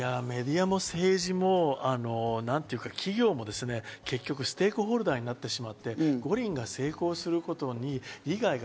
メディアも政治も企業も結局ステークホルダーになってしまって、五輪が成功することに利害が